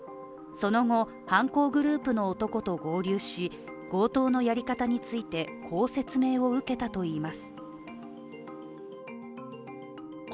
その後、犯行グループの男と合流し、強盗のやり方について、こう説明を受けたといいます。